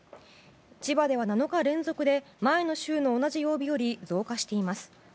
千葉では７日連続で、前の週の同じ曜日より増加しています。